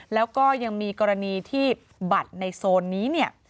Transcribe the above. แล้วก็ยังมีกรณีที่บัตรในโซนนี้เนี่ย